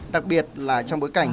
đặc biệt là trong bối cảnh